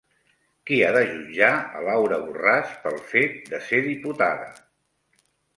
Qui ha de jutjar a Laura Borràs pel fet de ser diputada?